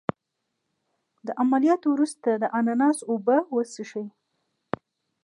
د عملیات وروسته د اناناس اوبه وڅښئ